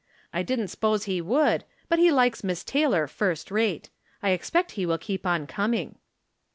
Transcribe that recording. I didn't 'spose he would, but he likes Miss Taylor first rate. I ex pect he will keep on coming."